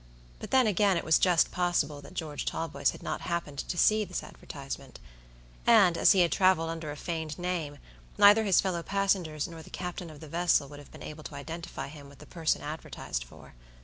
But then, again, it was just possible that George Talboys had not happened to see this advertisement; and, as he had traveled under a feigned name, neither his fellow passengers nor the captain of the vessel would have been able to identify him with the person advertised for.